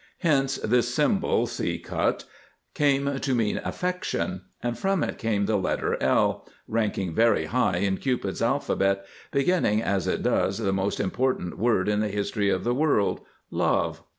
Hence this symbol (see cut) came to mean affection, and from it came the letter L, ranking very high in Cupid's Alphabet, beginning, as it does, the most important word in the history of the world, Love.